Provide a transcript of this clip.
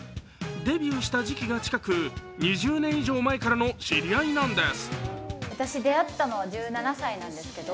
デビューした時期が近く２０年以上前からの知り合いなんです。